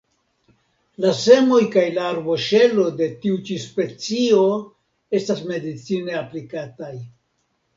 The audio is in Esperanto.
La semoj kaj la arboŝelo de tiu ĉi specio estas medicine aplikataj.